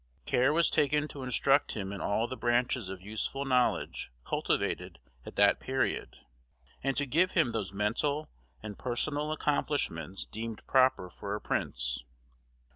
Care was taken to instruct him in all the branches of useful knowledge cultivated at that period, and to give him those mental and personal accomplishments deemed proper for a prince.